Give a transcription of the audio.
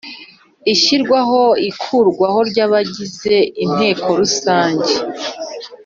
Ishyirwaho ikurwaho ry’ abagize inteko rusange